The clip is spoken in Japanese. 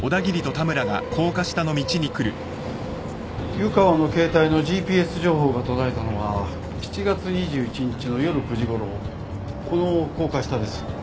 湯川の携帯のＧＰＳ情報が途絶えたのは７月２１日の夜９時ごろこの高架下です。